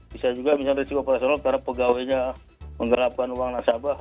bisa juga misalnya risiko operasional karena pegawainya menggerapkan uang nasabah